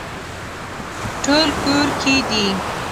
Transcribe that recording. ټول کور کې دي